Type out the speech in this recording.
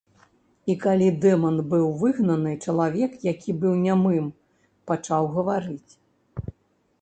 І калі дэман быў выгнаны, чалавек, які быў нямым пачаў гаварыць.